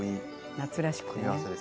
夏らしくてね。